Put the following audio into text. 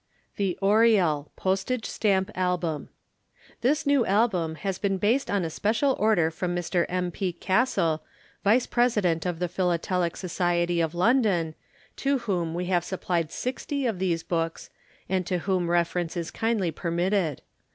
THE ORIEL Postage Stamp Album. This new album has been based on a special order from Mr. M. P. CASTLE, Vice President of the Philatelic Society of London, to whom we have supplied 60 of these books, and to whom reference is kindly permitted.